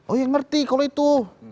oh yang ngerti kalau itu